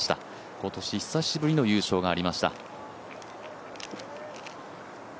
今年、久しぶりの優勝がありました